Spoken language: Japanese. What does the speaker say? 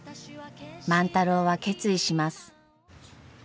万太郎は決意します。